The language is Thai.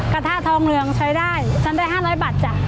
กระทะทองเหลืองใช้ได้ฉันได้๕๐๐บาทจ้ะ